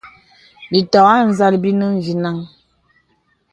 Bìtɔ̀k â zā bìnə mvinəŋ.